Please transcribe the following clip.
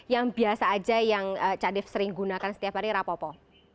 yang biasa aja yang cak dave sering gunakan setiap hari tidak apa apa